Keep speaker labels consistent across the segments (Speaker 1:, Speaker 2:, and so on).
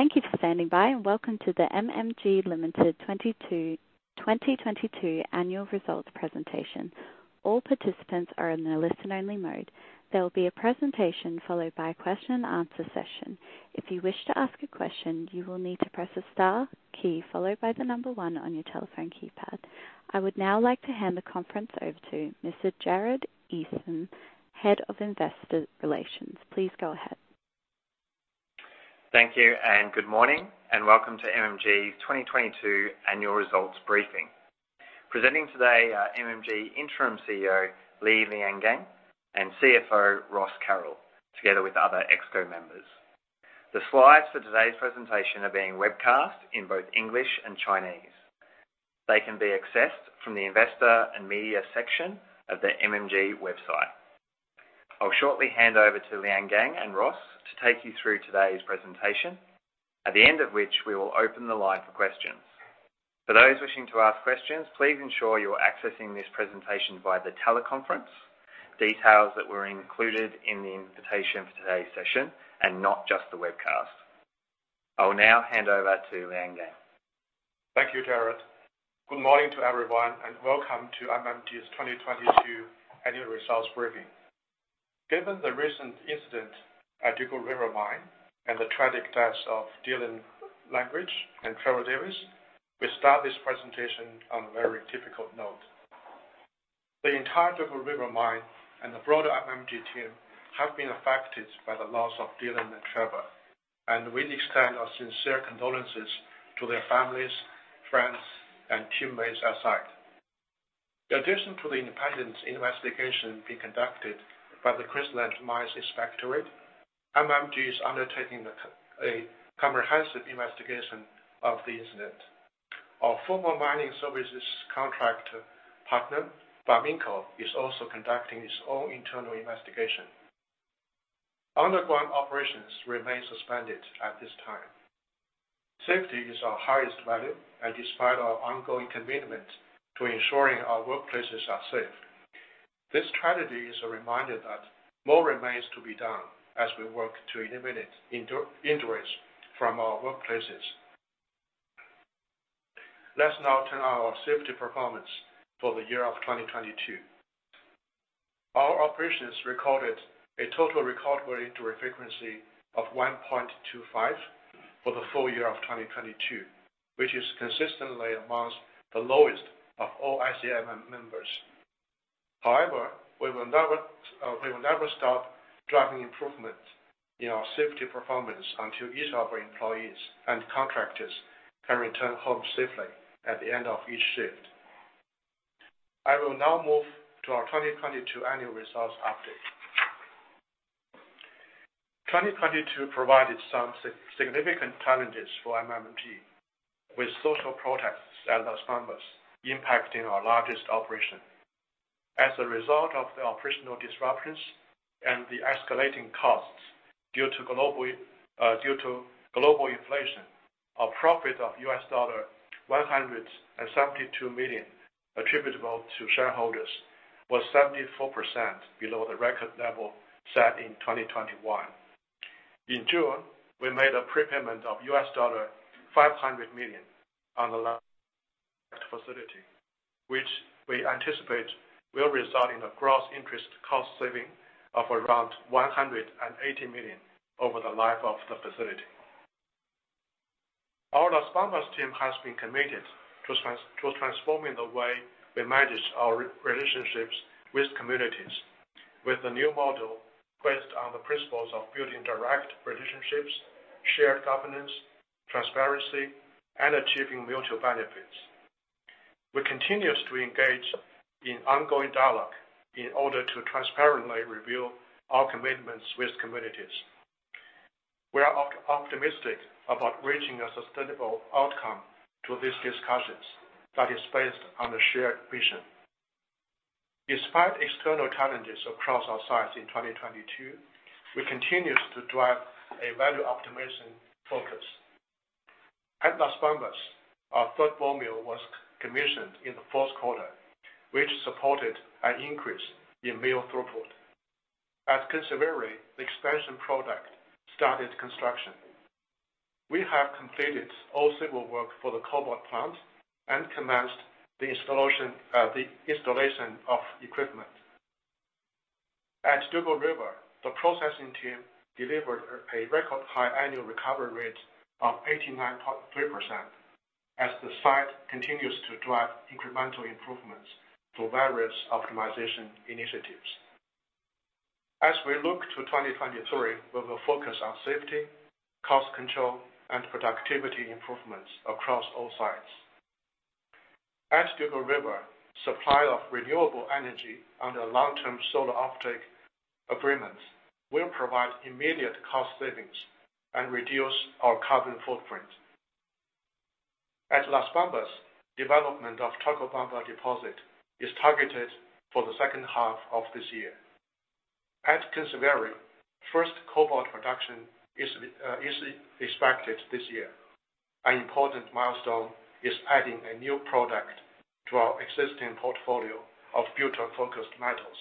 Speaker 1: Thank you for standing by, and welcome to the MMG Limited 2022 annual results presentation. All participants are in a listen-only mode. There will be a presentation followed by a question-and-answer session. If you wish to ask a question, you will need to press the star key followed by the number one on your telephone keypad. I would now like to hand the conference over to Mr. Jarrod Eason, Head of Investor Relations. Please go ahead.
Speaker 2: Thank you, good morning, and welcome to MMG 2022 annual results briefing. Presenting today are MMG Interim CEO, Li Liangang, and CFO, Ross Carroll, together with other ExCo members. The slides for today's presentation are being webcast in both English and Chinese. They can be accessed from the investor and media section of the MMG website. I'll shortly hand over to Liangang and Ross to take you through today's presentation, at the end of which we will open the line for questions. For those wishing to ask questions, please ensure you're accessing this presentation via the teleconference, details that were included in the invitation for today's session and not just the webcast. I will now hand over to Liangang.
Speaker 3: Thank you, Jarrod. Good morning to everyone. Welcome to MMG's 2022 annual results briefing. Given the recent incident at Dugald River mine and the tragic deaths of Dylan Langridge and Trevor Davis, we start this presentation on a very difficult note. The entire Dugald River mine and the broader MMG team have been affected by the loss of Dylan and Trevor. We extend our sincere condolences to their families, friends, and teammates at site. In addition to the independent investigation being conducted by the Queensland Mines Inspectorate, MMG is undertaking a comprehensive investigation of the incident. Our formal mining services contract partner, Barminco, is also conducting its own internal investigation. Underground operations remain suspended at this time. Safety is our highest value. Despite our ongoing commitment to ensuring our workplaces are safe, this tragedy is a reminder that more remains to be done as we work to eliminate injuries from our workplaces. Let's now turn to our safety performance for the year of 2022. Our operations recorded a Total Recordable Injury Frequency of 1.25 for the full year of 2022, which is consistently amongst the lowest of all ICMM members. We will never stop driving improvement in our safety performance until each of our employees and contractors can return home safely at the end of each shift. I will now move to our 2022 annual results update. 2022 provided some significant challenges for MMG, with social protests at Las Bambas impacting our largest operation. As a result of the operational disruptions and the escalating costs due to globally, due to global inflation, our profit of $172 million attributable to shareholders was 74% below the record level set in 2021. In June, we made a prepayment of $500 million on the last facility, which we anticipate will result in a gross interest cost saving of around $180 million over the life of the facility. Our Las Bambas team has been committed to transforming the way we manage our relationships with communities with a new model based on the principles of building direct relationships, shared governance, transparency, and achieving mutual benefits. We continues to engage in ongoing dialogue in order to transparently review our commitments with communities. We are optimistic about reaching a sustainable outcome to these discussions that is based on a shared vision. Despite external challenges across our sites in 2022, we continues to drive a value optimization focus. At Las Bambas, our third ball mill was commissioned in the fourth quarter, which supported an increase in mill throughput. At Kinsevere, the expansion product started construction. We have completed all civil work for the cobalt plant and commenced the installation of equipment. At Dugald River, the processing team delivered a record high annual recovery rate of 89.3%, as the site continues to drive incremental improvements through various optimization initiatives. As we look to 2023, we will focus on safety, cost control, and productivity improvements across all sites. At Dugald River, supply of renewable energy under long-term solar offtake agreements will provide immediate cost savings and reduce our carbon footprint. At Las Bambas, development of Chalcobamba deposit is targeted for the second half of this year. At Kinsevere, first cobalt production is expected this year. An important milestone is adding a new product to our existing portfolio of future-focused metals.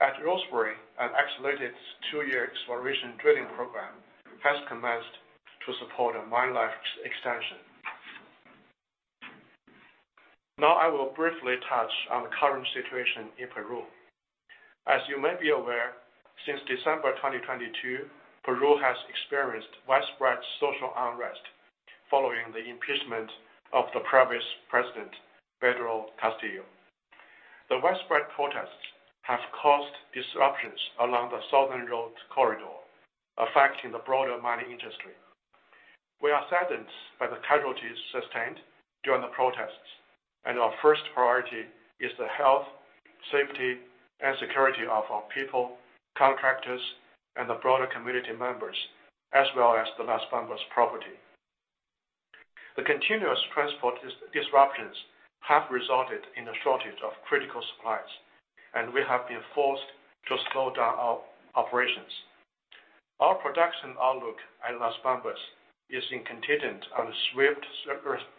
Speaker 3: At Rosebery, an accelerated two-year exploration drilling program has commenced to support a mine life extension. I will briefly touch on the current situation in Peru. You may be aware, since December 2022, Peru has experienced widespread social unrest following the impeachment of the previous president, Pedro Castillo. The widespread protests have caused disruptions along the southern road corridor, affecting the broader mining industry. We are saddened by the casualties sustained during the protests, and our first priority is the health, safety, and security of our people, contractors, and the broader community members, as well as the Las Bambas property. The continuous transport disruptions have resulted in a shortage of critical supplies, and we have been forced to slow down our operations. Our production outlook at Las Bambas is contingent on a swift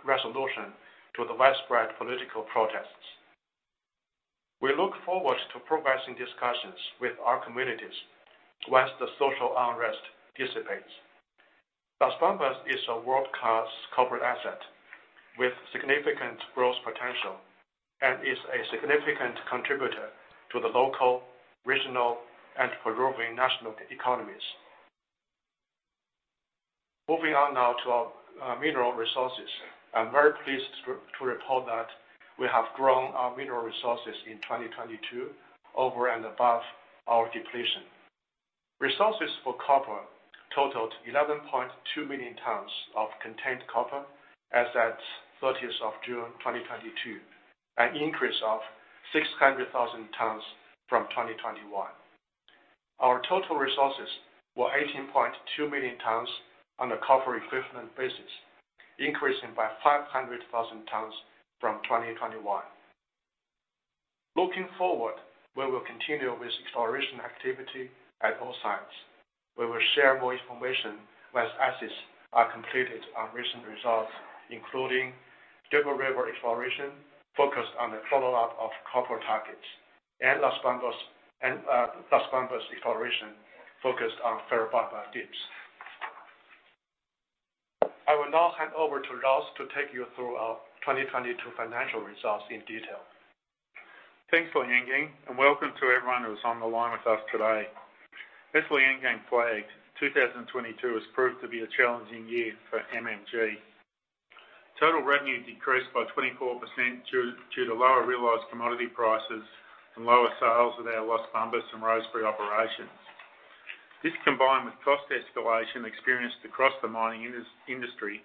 Speaker 3: resolution to the widespread political protests. We look forward to progressing discussions with our communities once the social unrest dissipates. Las Bambas is a world-class corporate asset with significant growth potential and is a significant contributor to the local, regional, and Peruvian national economies. Moving on now to our mineral resources. I'm very pleased to report that we have grown our mineral resources in 2022 over and above our depletion. Resources for copper totaled 11.2 million tons of contained copper as at 30th of June 2022, an increase of 600,000 tons from 2021. Our total resources were 18.2 million tons on a copper equivalent basis, increasing by 500,000 tons from 2021. Looking forward, we will continue with exploration activity at all sites. We will share more information once assets are completed on recent results, including Dugald River exploration focused on the follow-up of copper targets and Las Bambas exploration focused on Ferrobamba Deeps. I will now hand over to Ross to take you through our 2022 financial results in detail.
Speaker 4: Thanks, Liangang, welcome to everyone who's on the line with us today. As Liangang flagged, 2022 has proved to be a challenging year for MMG. Total revenue decreased by 24% due to lower realized commodity prices and lower sales at our Las Bambas and Rosebery operations. This, combined with cost escalation experienced across the mining industry,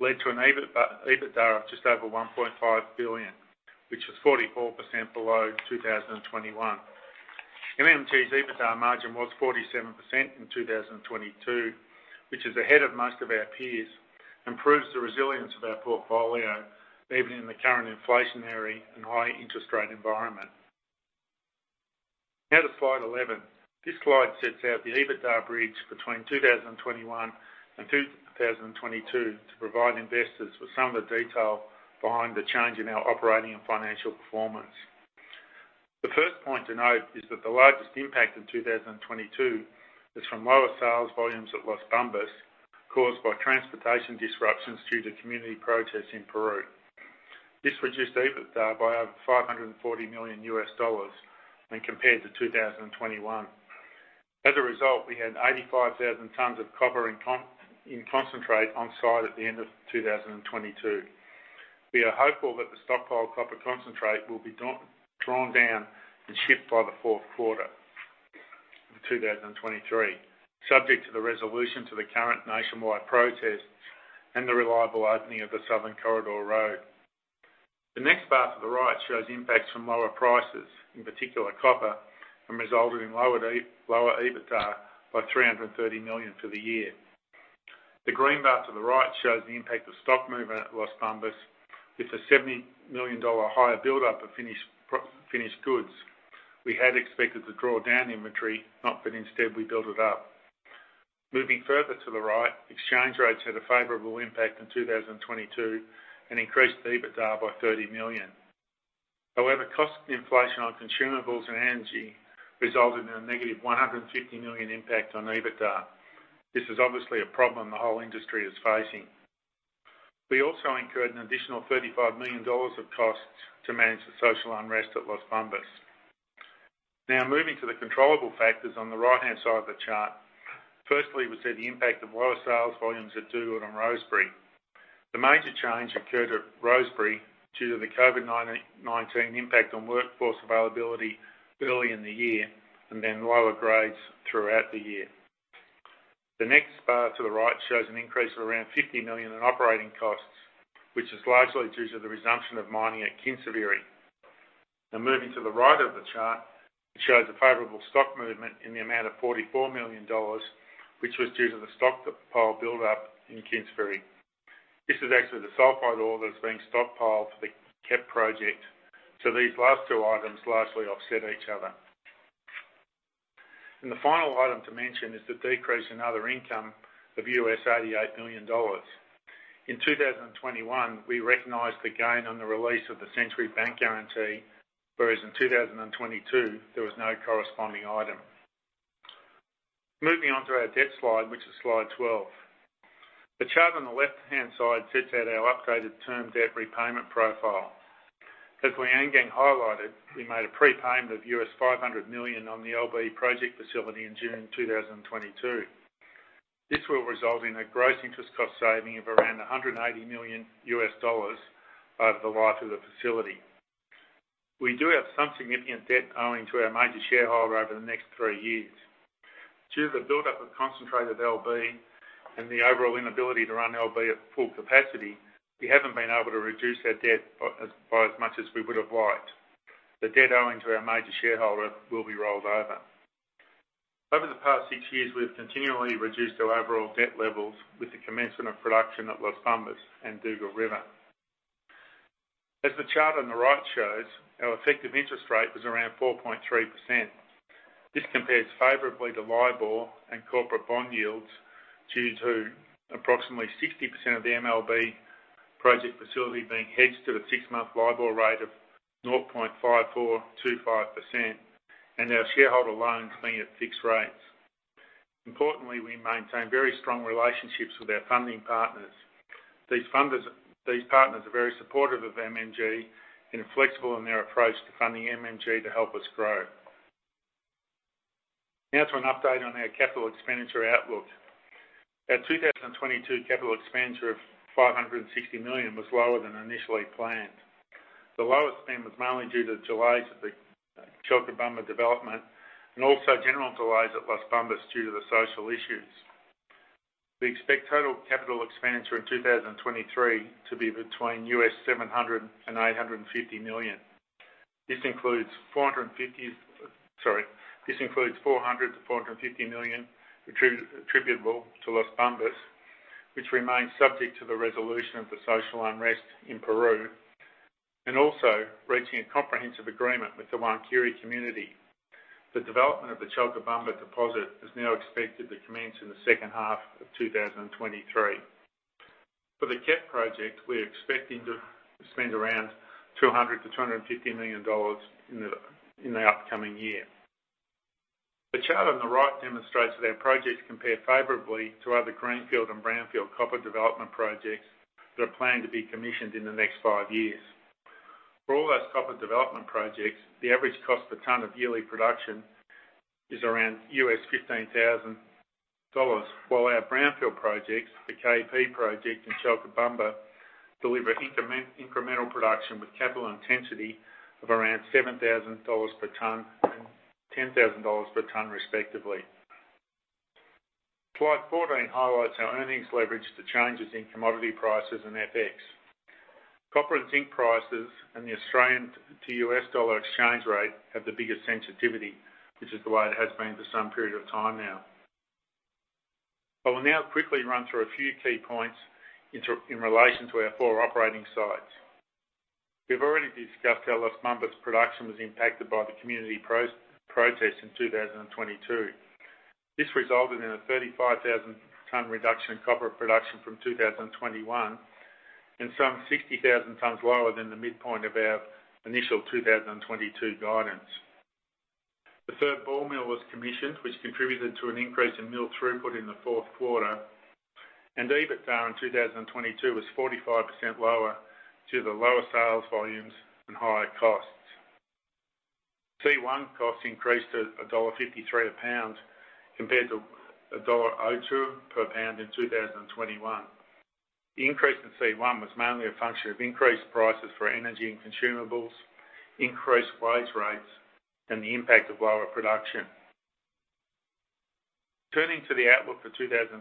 Speaker 4: led to an EBIT, EBITDA of just over $1.5 billion, which was 44% below 2021. MMG's EBITDA margin was 47% in 2022, which is ahead of most of our peers and proves the resilience of our portfolio even in the current inflationary and high interest rate environment. To slide 11. This slide sets out the EBITDA bridge between 2021 and 2022 to provide investors with some of the detail behind the change in our operating and financial performance. The first point to note is that the largest impact in 2022 is from lower sales volumes at Las Bambas caused by transportation disruptions due to community protests in Peru. This reduced EBITDA by over $540 million when compared to 2021. As a result, we had 85,000 tons of copper in concentrate on-site at the end of 2022. We are hopeful that the stockpiled copper concentrate will be drawn down and shipped by the fourth quarter of 2023, subject to the resolution to the current nationwide protests and the reliable opening of the Southern Corridor Road. The next bar to the right shows impacts from lower prices, in particular copper, resulted in lower EBITDA by $330 million for the year. The green bar to the right shows the impact of stock movement at Las Bambas with a $70 million higher buildup of finished goods. We had expected to draw down inventory, not that instead we built it up. Moving further to the right, exchange rates had a favorable impact in 2022 and increased EBITDA by $30 million. However, cost inflation on consumables and energy resulted in a -$150 million impact on EBITDA. This is obviously a problem the whole industry is facing. We also incurred an additional $35 million of costs to manage the social unrest at Las Bambas. Moving to the controllable factors on the right-hand side of the chart. Firstly, we see the impact of lower sales volumes at Dugald and Rosebery. The major change occurred at Rosebery due to the COVID-19 impact on workforce availability early in the year and then lower grades throughout the year. The next bar to the right shows an increase of around $50 million in operating costs, which is largely due to the resumption of mining at Kinsevere. Moving to the right of the chart, it shows a favorable stock movement in the amount of $44 million, which was due to the stockpile buildup in Kinsevere. This is actually the sulfide ore that is being stockpiled for the KEP project, so these last two items largely offset each other. The final item to mention is the decrease in other income of $88 million. In 2021, we recognized the gain on the release of the Century Bank guarantee, whereas in 2022, there was no corresponding item. Moving on to our debt slide, which is slide 12. The chart on the left-hand side sets out our upgraded term debt repayment profile. As we again highlighted, we made a prepayment of $500 million on the LB Project facility in June 2022. This will result in a gross interest cost saving of around $180 million over the life of the facility. We do have some significant debt owing to our major shareholder over the next three years. Due to the buildup of concentrated LB and the overall inability to run LB at full capacity, we haven't been able to reduce our debt by as much as we would have liked. The debt owing to our major shareholder will be rolled over. Over the past six years, we've continually reduced our overall debt levels with the commencement of production at Las Bambas and Dugald River. As the chart on the right shows, our effective interest rate was around 4.3%. This compares favorably to LIBOR and corporate bond yields due to approximately 60% of the MLB project facility being hedged to the six-month LIBOR rate of 0.5425%, and our shareholder loans being at fixed rates. Importantly, we maintain very strong relationships with our funding partners. These partners are very supportive of MMG and are flexible in their approach to funding MMG to help us grow. Now to an update on our capital expenditure outlook. Our 2022 capital expenditure of $560 million was lower than initially planned. The lower spend was mainly due to delays at the Chalcobamba development and also general delays at Las Bambas due to the social issues. We expect total capital expenditure in 2023 to be between U.S. $700 million-$850 million. Sorry. This includes $400 million-$450 million attributable to Las Bambas, which remains subject to the resolution of the social unrest in Peru, and also reaching a comprehensive agreement with the Huancuire community. The development of the Chalcobamba deposit is now expected to commence in the second half of 2023. For the KEP project, we're expecting to spend around $200 million-$250 million in the upcoming year. The chart on the right demonstrates that our projects compare favorably to other greenfield and brownfield copper development projects that are planned to be commissioned in the next five years. For all those copper development projects, the average cost per ton of yearly production is around $15,000, while our brownfield projects, the KEP project and Chalcobamba, deliver incremental production with capital intensity of around $7,000 per ton and $10,000 per ton, respectively. Slide 14 highlights our earnings leverage to changes in commodity prices and FX. Copper and zinc prices and the Australian to U.S. dollar exchange rate have the biggest sensitivity, which is the way it has been for some period of time now. I will now quickly run through a few key points in relation to our four operating sites. We've already discussed how Las Bambas production was impacted by the community protest in 2022. This resulted in a 35,000 ton reduction in copper production from 2021 and some 60,000 tons lower than the midpoint of our initial 2022 guidance. The third ball mill was commissioned, which contributed to an increase in mill throughput in the fourth quarter, and EBITDA in 2022 was 45% lower due to the lower sales volumes and higher costs. C1 costs increased to $1.53 a pound compared to $1.02 per pound in 2021. The increase in C1 was mainly a function of increased prices for energy and consumables, increased wage rates, and the impact of lower production. Turning to the outlook for 2023,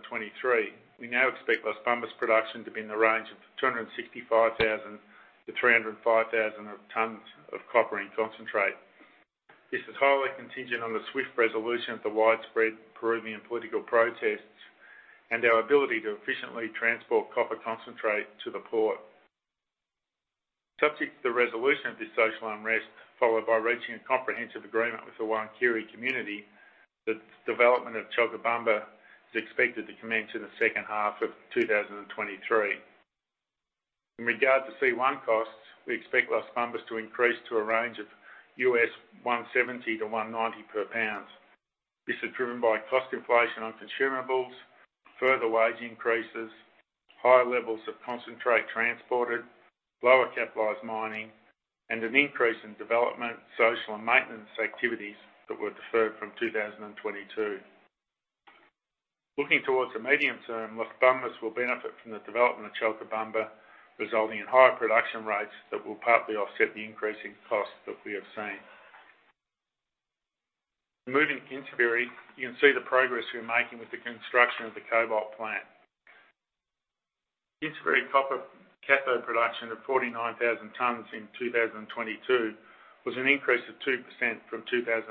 Speaker 4: we now expect Las Bambas production to be in the range of 265,000 of tons of copper and concentrate-305,000 of tons of copper and concentrate. This is highly contingent on the swift resolution of the widespread Peruvian political protests and our ability to efficiently transport copper concentrate to the port. Subject to the resolution of this social unrest, followed by reaching a comprehensive agreement with the Huancuire community, the development of Chalcobamba is expected to commence in the second half of 2023. In regard to C1 costs, we expect Las Bambas to increase to a range of $1.70-$1.90 per pound. This is driven by cost inflation on consumables, further wage increases, higher levels of concentrate transported, lower capitalized mining, and an increase in development, social, and maintenance activities that were deferred from 2022. Looking towards the medium term, Las Bambas will benefit from the development of Chalcobamba, resulting in higher production rates that will partly offset the increasing costs that we have seen. Moving to Kinsevere, you can see the progress we are making with the construction of the cobalt plant. Kinsevere copper cathode production of 49,000 tons in 2022 was an increase of 2% from 2021.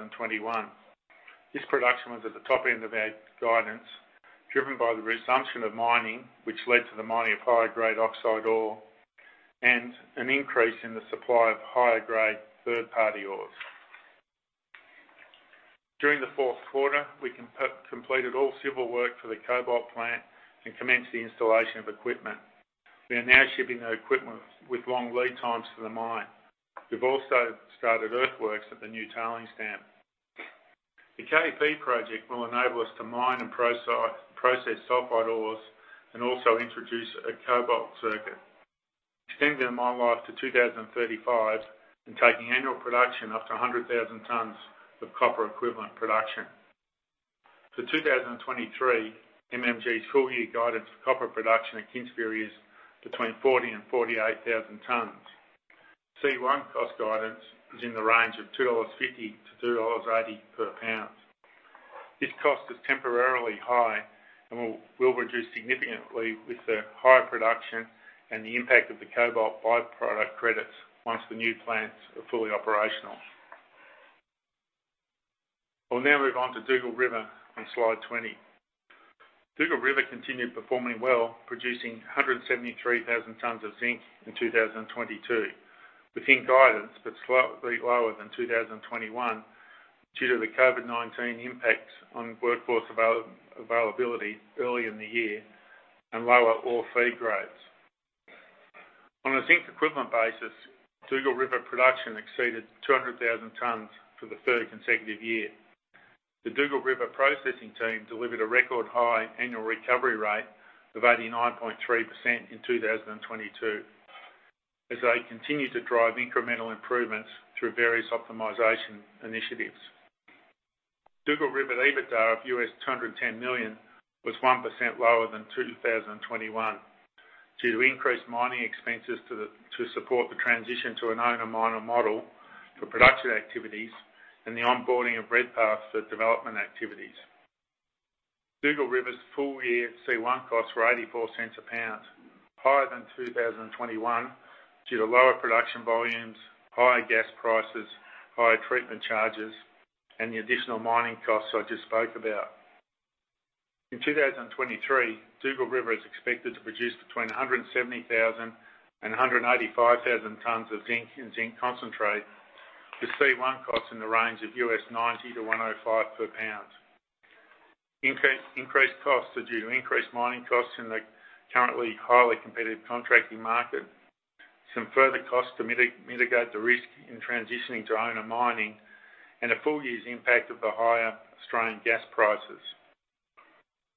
Speaker 4: This production was at the top end of our guidance, driven by the resumption of mining, which led to the mining of higher grade oxide ore. An increase in the supply of higher grade third-party ores. During the fourth quarter, we completed all civil work for the cobalt plant and commenced the installation of equipment. We are now shipping the equipment with long lead times for the mine. We've also started earthworks at the new tailings dam. The KEP project will enable us to mine and process sulfide ores, and also introduce a cobalt circuit, extending the mine life to 2035 and taking annual production up to 100,000 tons of copper equivalent production. For 2023, MMG's full year guidance for copper production at Kinsevere is between 40,000 and 48,000 tons. C1 cost guidance is in the range of $2.50-$2.80 per pound. This cost is temporarily high and will reduce significantly with the higher production and the impact of the cobalt by-product credits once the new plants are fully operational. I'll now move on to Dugald River on slide 20. Dugald River continued performing well, producing 173,000 tons of zinc in 2022, with zinc guidance but slightly lower than 2021 due to the COVID-19 impact on workforce availability early in the year and lower ore feed grades. On a zinc equivalent basis, Dugald River production exceeded 200,000 tons for the third consecutive year. The Dugald River processing team delivered a record high annual recovery rate of 89.3% in 2022 as they continue to drive incremental improvements through various optimization initiatives. Dugald River EBITDA of $210 million was 1% lower than 2021 due to increased mining expenses to support the transition to an owner miner model for production activities and the onboarding of Redpath for development activities. Dugald River's full year C1 costs were $0.84 a pound, higher than 2021 due to lower production volumes, higher gas prices, higher treatment charges, and the additional mining costs I just spoke about. In 2023, Dugald River is expected to produce between 170,000 and 185,000 tons of zinc and zinc concentrate, with C1 costs in the range of $0.90-$1.05 per pound. Increased costs are due to increased mining costs in the currently highly competitive contracting market, some further costs to mitigate the risk in transitioning to owner mining, and a full year's impact of the higher Australian gas prices.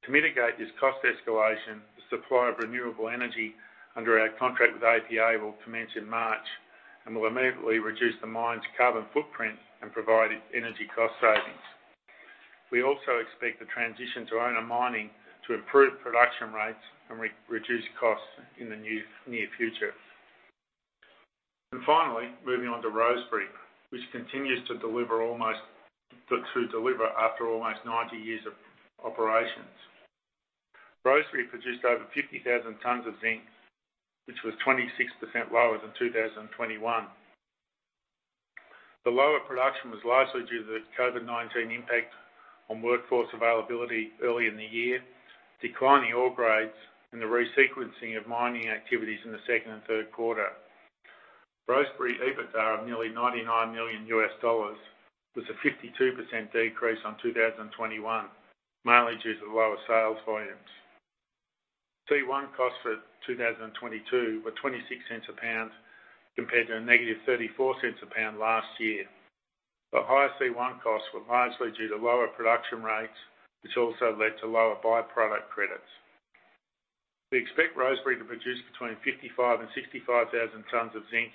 Speaker 4: To mitigate this cost escalation, the supply of renewable energy under our contract with APA will commence in March and will immediately reduce the mine's carbon footprint and provide energy cost savings. We also expect the transition to owner mining to improve production rates and reduce costs in the new, near future. Finally, moving on to Rosebery, which continues to deliver after almost 90 years of operations. Rosebery produced over 50,000 tons of zinc, which was 26% lower than 2021. The lower production was largely due to the COVID-19 impact on workforce availability early in the year, declining ore grades, and the resequencing of mining activities in the second and third quarter. Rosebery EBITDA of nearly $99 million was a 52% decrease on 2021, mainly due to the lower sales volumes. C1 costs for 2022 were $0.26 a pound compared to a negative $0.34 a pound last year. The higher C1 costs were largely due to lower production rates, which also led to lower by-product credits. We expect Rosebery to produce between 55,000 and 65,000 tons of zinc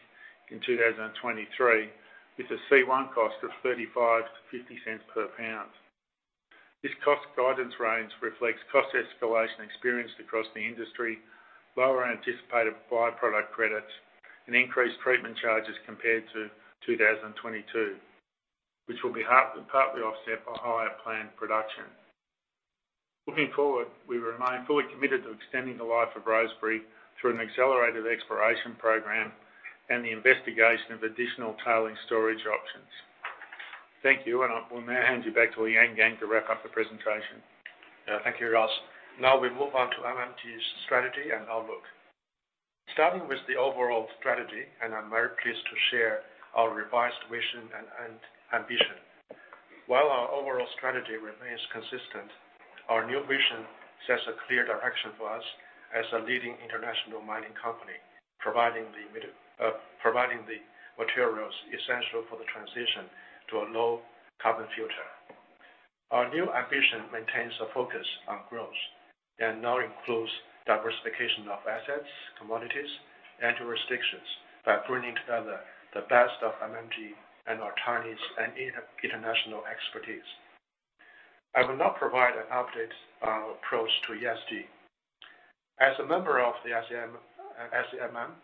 Speaker 4: in 2023, with a C1 cost of $0.35-$0.50 per pound. This cost guidance range reflects cost escalation experienced across the industry, lower anticipated by-product credits, and increased treatment charges compared to 2022, which will be partly offset by higher planned production. Looking forward, we remain fully committed to extending the life of Rosebery through an accelerated exploration program and the investigation of additional tailing storage options. Thank you, will now hand you back to Liangang to wrap up the presentation.
Speaker 3: Thank you, Ross. We move on to MMG's strategy and outlook. Starting with the overall strategy, I'm very pleased to share our revised vision and ambition. While our overall strategy remains consistent, our new vision sets a clear direction for us as a leading international mining company, providing the materials essential for the transition to a low carbon future. Our new ambition maintains a focus on growth and now includes diversification of assets, commodities, and jurisdictions by bringing together the best of MMG and our Chinese and international expertise. I will now provide an update approach to ESG. As a member of the ICMM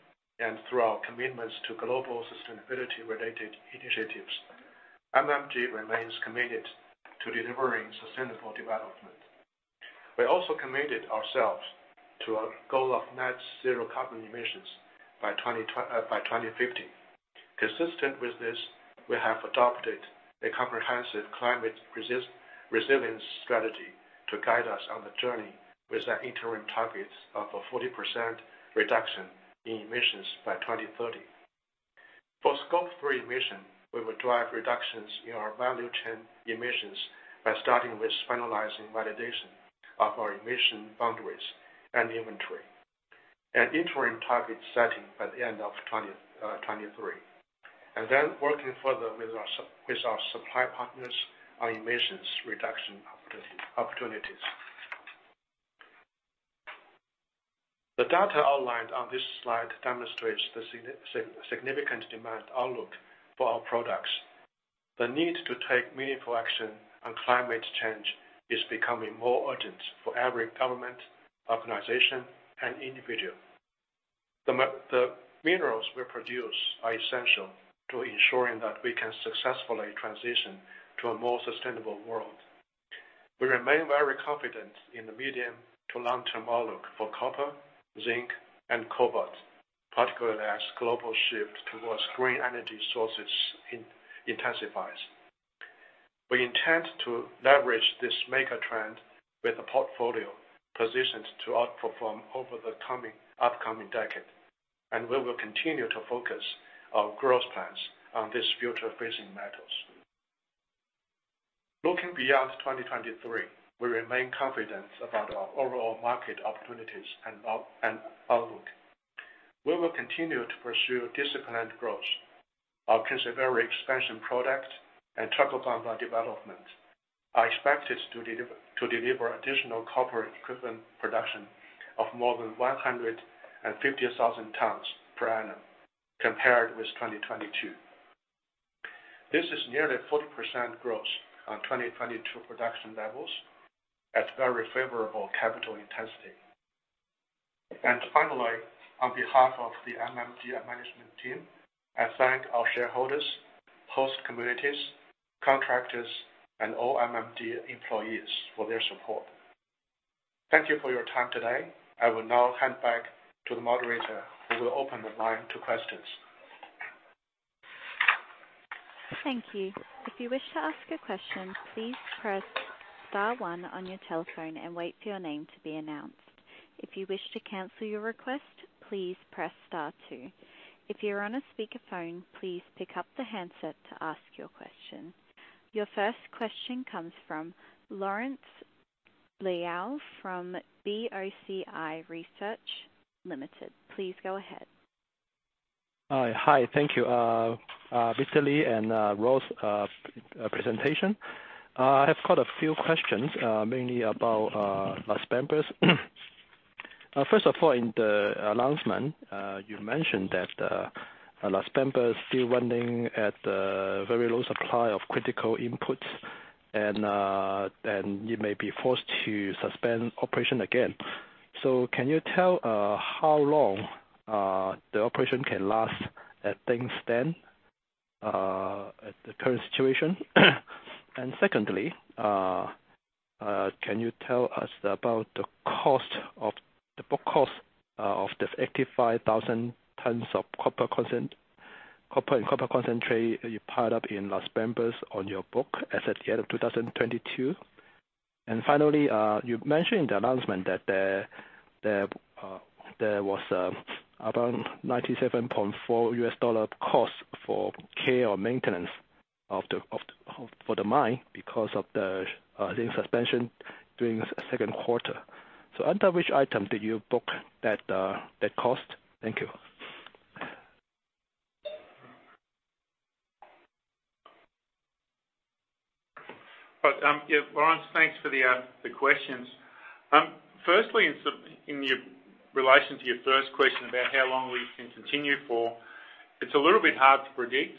Speaker 3: and through our commitments to global sustainability-related initiatives, MMG remains committed to delivering sustainable development. We also committed ourselves to a goal of net zero carbon emissions by 2050. Consistent with this, we have adopted a comprehensive climate resilience strategy to guide us on the journey with the interim targets of a 40% reduction in emissions by 2030. For Scope 3 emission, we will drive reductions in our value chain emissions by starting with finalizing validation of our emission boundaries and inventory. An interim target setting by the end of 2023. Working further with our supply partners on emissions reduction opportunities. The data outlined on this slide demonstrates the significant demand outlook for our products. The need to take meaningful action on climate change is becoming more urgent for every government, organization, and individual. The minerals we produce are essential to ensuring that we can successfully transition to a more sustainable world. We remain very confident in the medium to long-term outlook for copper, zinc, and cobalt, particularly as global shift towards green energy sources intensifies. We intend to leverage this megatrend with a portfolio positioned to outperform over the upcoming decade, and we will continue to focus our growth plans on these future-facing metals. Looking beyond 2023, we remain confident about our overall market opportunities and outlook. We will continue to pursue disciplined growth. Our Kinsevere Expansion Project and Chalcobamba development are expected to deliver additional copper equivalent production of more than 150,000 tons per annum compared with 2022. This is nearly 40% growth on 2022 production levels at very favorable capital intensity. Finally, on behalf of the MMG management team, I thank our shareholders, host communities, contractors, and all MMG employees for their support. Thank you for your time today. I will now hand back to the moderator, who will open the line to questions.
Speaker 1: Thank you. If you wish to ask a question, please press star one on your telephone and wait for your name to be announced. If you wish to cancel your request, please press star two. If you're on a speakerphone, please pick up the handset to ask your question. Your first question comes from Lawrence Lau from BOCI Research Limited. Please go ahead.
Speaker 5: Hi. Thank you, Mr. Li and Ross Carroll presentation. I have got a few questions, mainly about Las Bambas. First of all, in the announcement, you mentioned that Las Bambas still running at very low supply of critical inputs and you may be forced to suspend operation again. Can you tell how long the operation can last as things stand at the current situation? Secondly, can you tell us about the cost of, the book cost, of the 85,000 tons of copper and copper concentrate you piled up in Las Bambas on your book as at the end of 2022? Finally, you mentioned in the announcement that there was around $97.4 cost for care or maintenance of the mine because of the suspension during the second quarter. Under which item did you book that cost? Thank you.
Speaker 4: Right. Yeah, Lawrence, thanks for the questions. Firstly, in your relation to your first question about how long we can continue for, it's a little bit hard to predict.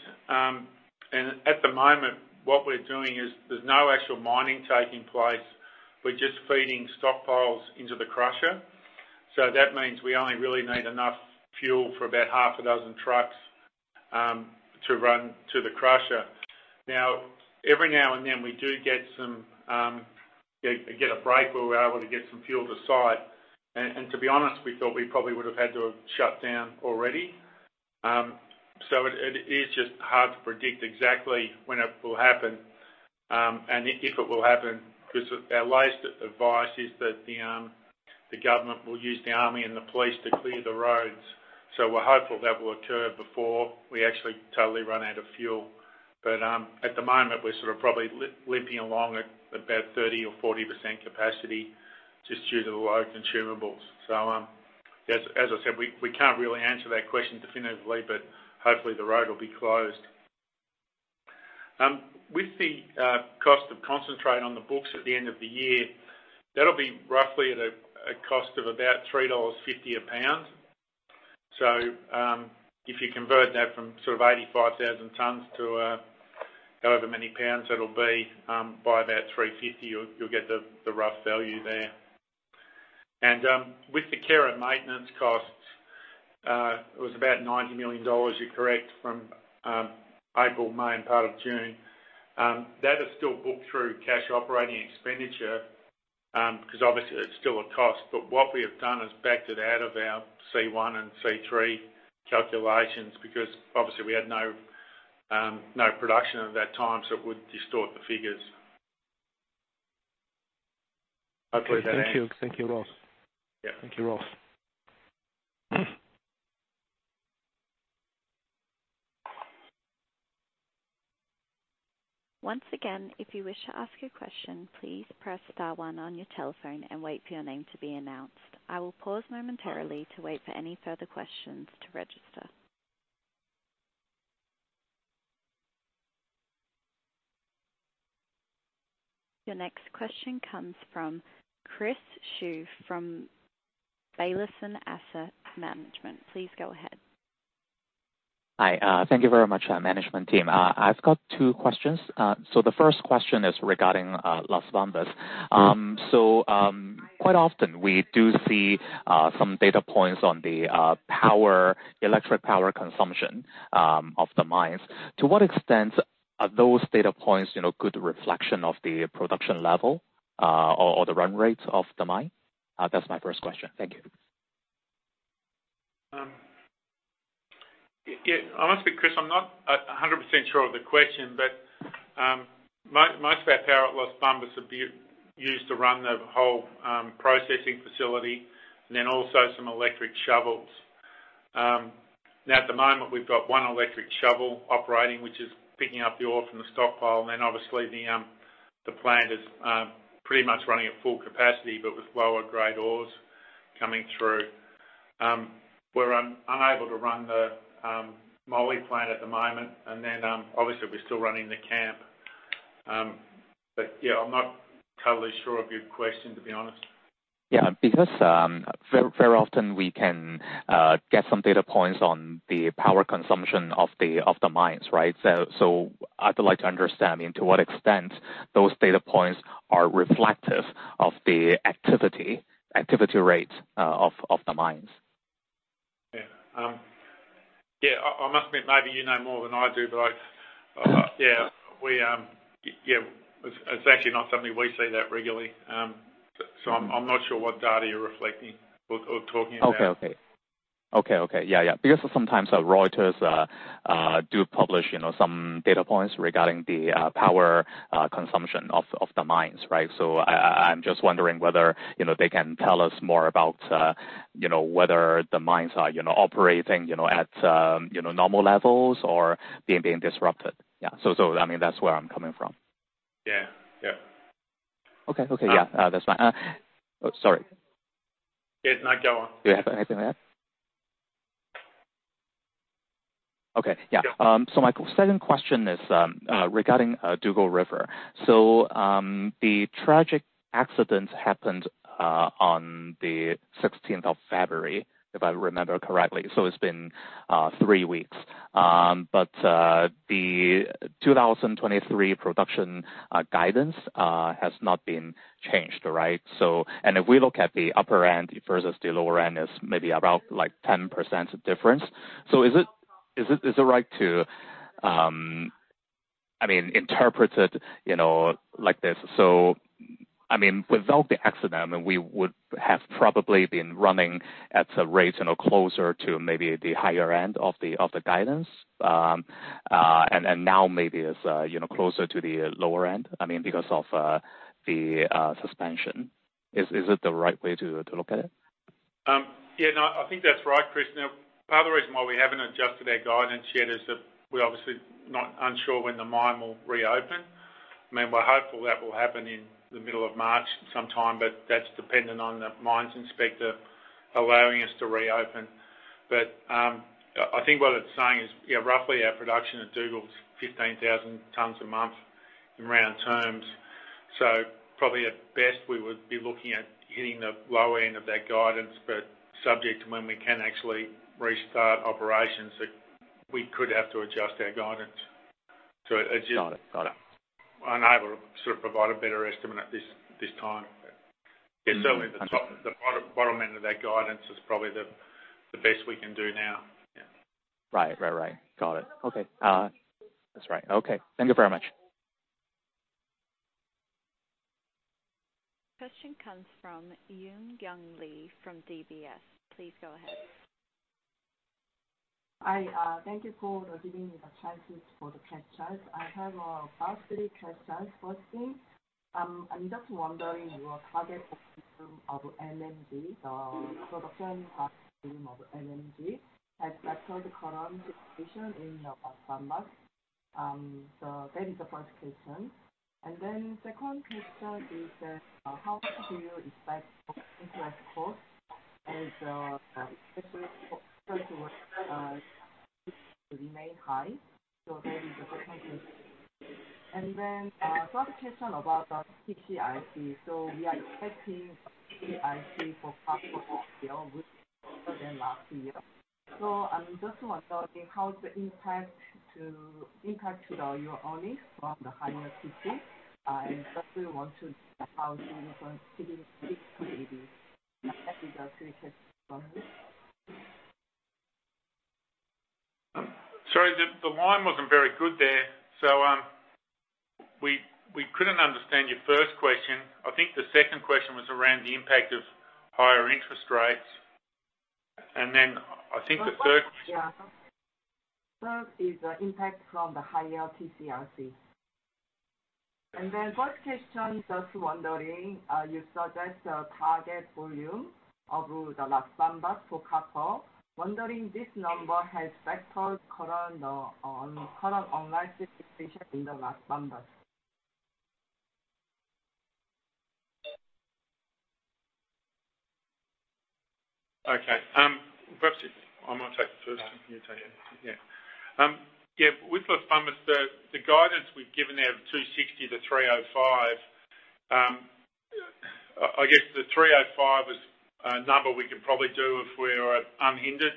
Speaker 4: At the moment, what we're doing is there's no actual mining taking place. We're just feeding stockpiles into the crusher. That means we only really need enough fuel for about six trucks to run to the crusher. Every now and then, we do get some get a break where we're able to get some fuel to site. To be honest, we thought we probably would have had to have shut down already. It is just hard to predict exactly when it will happen, and if it will happen. Our latest advice is that the government will use the army and the police to clear the roads. We're hopeful that will occur before we actually totally run out of fuel. At the moment, we're sort of probably limping along at about 30% or 40% capacity just due to the low consumables. As I said, we can't really answer that question definitively, but hopefully the road will be closed. With the cost of concentrate on the books at the end of the year, that'll be roughly at a cost of about $3.50 a pound. If you convert that from sort of 85,000 tons to however many pounds it'll be by about $3.50, you'll get the rough value there. With the care and maintenance costs, it was about $90 million, you're correct, from April, May, and part of June. That is still booked through cash operating expenditure. Because obviously it's still a cost. What we have done is backed it out of our C1 and C3 calculations because obviously we had no production at that time, so it would distort the figures.
Speaker 5: Okay. Thank you. Thank you, Ross.
Speaker 4: Yeah.
Speaker 5: Thank you, Ross.
Speaker 1: Once again, if you wish to ask a question, please press star one on your telephone and wait for your name to be announced. I will pause momentarily to wait for any further questions to register. Your next question comes from Chris Shu from Baylis Asset Management. Please go ahead.
Speaker 6: Hi. Thank you very much, management team. I've got two questions. The first question is regarding Las Bambas. Quite often we do see some data points on the power, electric power consumption of the mines. To what extent are those data points, you know, good reflection of the production level, or the run rates of the mine? That's my first question. Thank you.
Speaker 4: Yeah. Honestly, Chris, I'm not 100% sure of the question, but most of our power at Las Bambas would be used to run the whole processing facility and then also some electric shovels. Now, at the moment, we've got one electric shovel operating, which is picking up the ore from the stockpile. Obviously the plant is pretty much running at full capacity but with lower grade ores coming through. We're unable to run the moly plant at the moment. Obviously we're still running the camp. Yeah, I'm not totally sure of your question, to be honest.
Speaker 6: Yeah. Very often we can get some data points on the power consumption of the mines, right? I'd like to understand into what extent those data points are reflective of the activity rates of the mines.
Speaker 4: Yeah. I must admit, maybe you know more than I do, but it's actually not something we see that regularly. So I'm not sure what data you're reflecting or talking about.
Speaker 6: Okay. Okay. Okay. Okay. Yeah, yeah. Because sometimes, Reuters do publish, you know, some data points regarding the power consumption of the mines, right? I'm just wondering whether, you know, they can tell us more about, you know, whether the mines are, you know, operating, you know, at, you know, normal levels or being disrupted. Yeah. I mean, that's where I'm coming from.
Speaker 4: Yeah. Yeah.
Speaker 6: Okay. Okay. Yeah. That's fine. Oh, sorry.
Speaker 4: Yeah, no, go on.
Speaker 6: Do you have anything to add? Okay. Yeah.
Speaker 4: Yeah.
Speaker 6: My second question is regarding Dugald River. The tragic accident happened on the 16th of February, if I remember correctly, so it's been three weeks. The 2023 production guidance has not been changed, right? If we look at the upper end versus the lower end is maybe about, like, 10% difference. Is it right to, I mean, interpret it, you know, like this? I mean, without the accident, we would have probably been running at a rate, you know, closer to maybe the higher end of the guidance. And now maybe it's, you know, closer to the lower end, I mean, because of the suspension. Is it the right way to look at it?
Speaker 4: Yeah, no, I think that's right, Chris. Part of the reason why we haven't adjusted our guidance yet is that we're obviously not unsure when the mine will reopen. I mean, we're hopeful that will happen in the middle of March sometime, but that's dependent on the mines inspector allowing us to reopen. I think what it's saying is, yeah, roughly our production at Dugald's 15,000 tons a month in round terms. Probably at best, we would be looking at hitting the low end of that guidance, but subject to when we can actually restart operations, we could have to adjust our guidance.
Speaker 6: Got it. Got it.
Speaker 4: Unable to sort of provide a better estimate at this time. Yeah, certainly the top, the bottom end of that guidance is probably the best we can do now. Yeah.
Speaker 6: Right. Right. Right. Got it. Okay. That's right. Okay. Thank you very much.
Speaker 1: Question comes from Eunyoung Lee from DBS. Please go ahead.
Speaker 7: Hi. Thank you for giving me the chances for the questions. I have about three questions. Firstly, I'm just wondering your target of MMG, the production of MMG as better the current situation in Las Bambas. That is the first question. Second question is that, how do you expect interest costs as especially for to remain high? That is the second question. Third question about the TCRC. We are expecting TCRC for half of this year, which is better than last year. I'm just wondering how the impact to the year-on-year from the higher PC. Just we want to, how you think it's relating. That is the three questions for me.
Speaker 4: The line wasn't very good there. We couldn't understand your first question. I think the second question was around the impact of higher interest rates. I think the third.
Speaker 7: Yeah. Third is the impact from the higher TCRC. First question is just wondering, you suggest a target volume of the Las Bambas for copper. Wondering this number has factors current online participation in the Las Bambas?
Speaker 4: Okay. Perhaps I might take the first and you take the. With Las Bambas, the guidance we've given out of 260 to 305, I guess the 305 is a number we could probably do if we were unhindered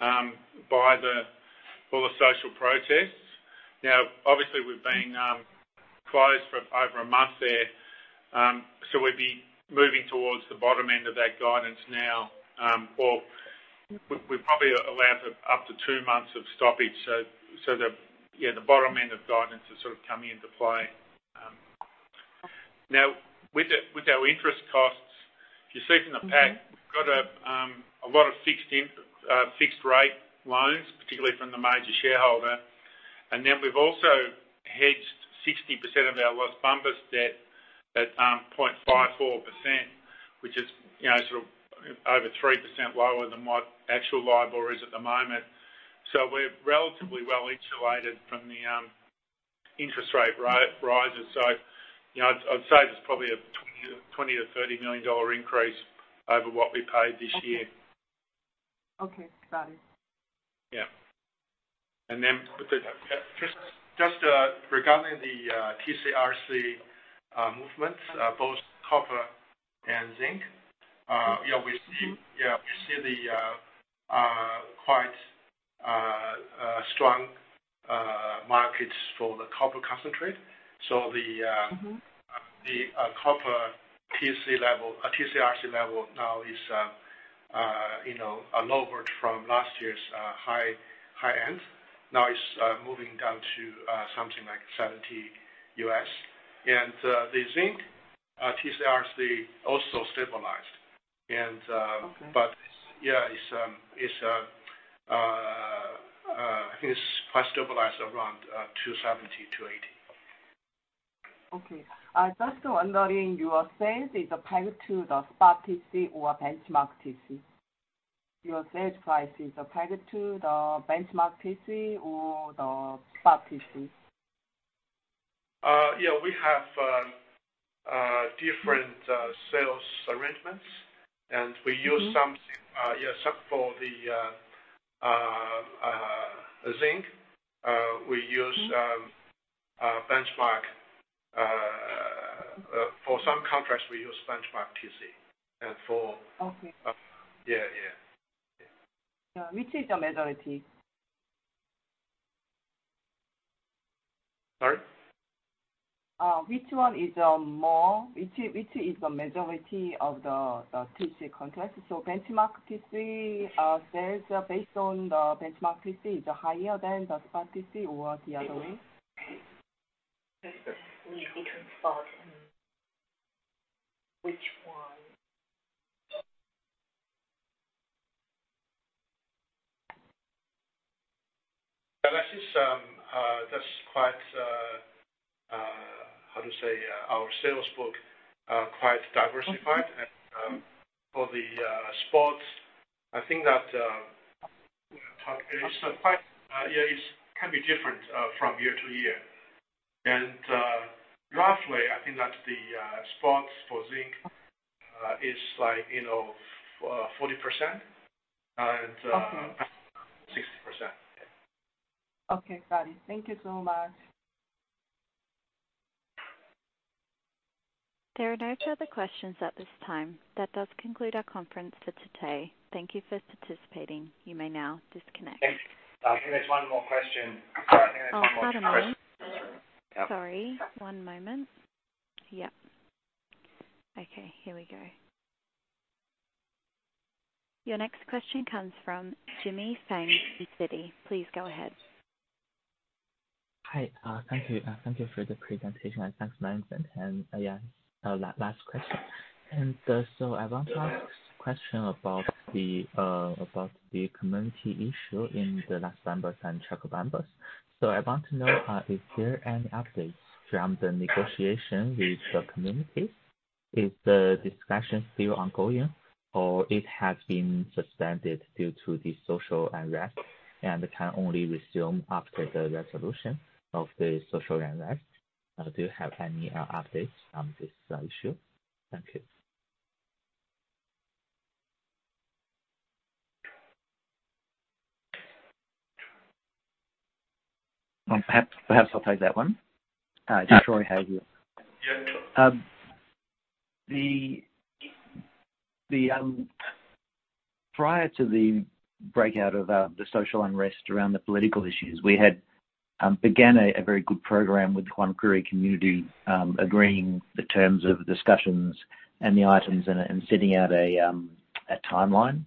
Speaker 4: by the all the social protests. Now, obviously, we've been closed for over a month there, so we'd be moving towards the bottom end of that guidance now. We'd probably allow up to two months of stoppage. The bottom end of guidance is sort of coming into play. Now, with the, with our interest costs, if you see from the.
Speaker 7: Mm-hmm.
Speaker 4: We've got a lot of fixed in fixed rate loans, particularly from the major shareholder. We've also hedged 60% of our Las Bambas debt at 0.54%, which is, you know, sort of over 3% lower than what actual LIBOR is at the moment. We're relatively well insulated from the interest rate rises. You know, I'd say there's probably a $20 million-$30 million increase over what we paid this year.
Speaker 7: Okay. Got it.
Speaker 4: Yeah.
Speaker 3: Just regarding the TCRC movements, both copper and zinc, you know.
Speaker 4: Mm-hmm.
Speaker 3: yeah, we see the, quite, strong, markets for the copper concentrate.
Speaker 7: Mm-hmm.
Speaker 3: The copper TCRC level now is, you know, lowered from last year's high end. Now it's moving down to something like $70. The zinc TCRC also stabilized.
Speaker 7: Okay.
Speaker 3: Yeah, it's quite stabilized around $270-$280.
Speaker 7: Okay. Just wondering, your sales is pegged to the spot TC or benchmark TC? Your sales price is pegged to the benchmark TC or the spot TC?
Speaker 3: Yeah, we have different sales arrangements.
Speaker 7: Mm-hmm.
Speaker 3: We use some for the zinc.
Speaker 7: Mm-hmm.
Speaker 3: benchmark. For some contracts we use benchmark TC.
Speaker 7: Okay.
Speaker 3: Yeah, yeah. Yeah.
Speaker 7: Which is the majority?
Speaker 3: Sorry?
Speaker 7: Which one is more? Which is the majority of the TC contracts? Benchmark TC, sales based on the benchmark TC is higher than the spot TC or the other way?
Speaker 4: Between.
Speaker 7: Between spot and which one?
Speaker 3: That is, that's quite, how to say, our sales book, quite diversified.
Speaker 7: Okay.
Speaker 3: For the spots, I think that it is quite, yeah, it's can be different from year to year. Roughly, I think that the spots for zinc is like, you know, 40% and.
Speaker 7: Okay.
Speaker 3: 60%.
Speaker 7: Okay, got it. Thank you so much.
Speaker 1: There are no further questions at this time. That does conclude our conference for today. Thank you for participating. You may now disconnect.
Speaker 4: I think there's one more question. Sorry, I think there's one more question.
Speaker 1: Oh, pardon me. Sorry, one moment. Yep. Okay, here we go. Your next question comes from Jimmy Fang with Citi. Please go ahead.
Speaker 8: Hi, thank you. Thank you for the presentation and thanks, Liangang. Yeah. Last question. I want to ask question about the community issue in the Las Bambas and Chalcobamba. I want to know, is there any updates from the negotiation with the community? Is the discussion still ongoing or it has been suspended due to the social unrest, and can only resume after the resolution of the social unrest? Do you have any updates on this issue? Thank you.
Speaker 9: Perhaps I'll take that one. It's Troy Hey here.
Speaker 8: Yeah, sure.
Speaker 9: Prior to the breakout of the social unrest around the political issues, we had began a very good program with the Huancuire community, agreeing the terms of discussions and the items and setting out a timeline.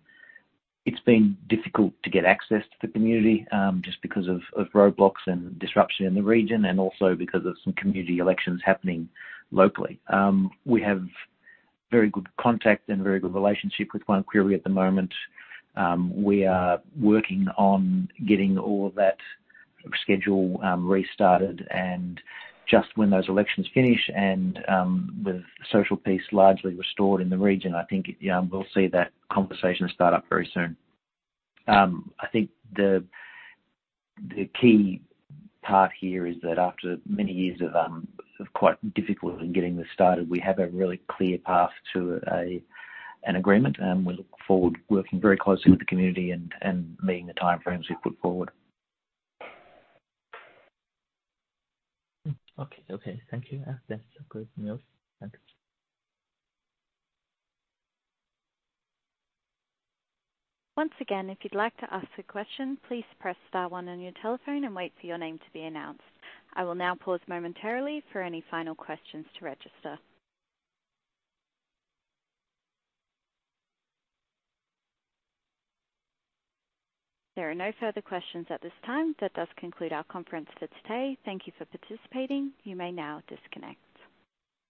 Speaker 9: It's been difficult to get access to the community, just because of roadblocks and disruption in the region and also because of some community elections happening locally. We have very good contact and very good relationship with Huancuire at the moment. We are working on getting all of that schedule restarted. Just when those elections finish and with social peace largely restored in the region, I think, we'll see that conversation start up very soon. I think the key part here is that after many years of quite difficult in getting this started, we have a really clear path to an agreement, and we look forward working very closely with the community and meeting the timeframes we've put forward.
Speaker 8: Okay. Okay, thank you. That's good news. Thank you.
Speaker 1: Once again, if you'd like to ask a question, please press star one on your telephone and wait for your name to be announced. I will now pause momentarily for any final questions to register. There are no further questions at this time. That does conclude our conference for today. Thank you for participating. You may now disconnect.